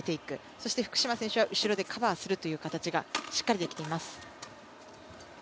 そして福島選手は後ろでカバーするという形がしっかりできています。